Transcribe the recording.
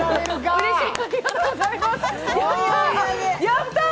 うれしい。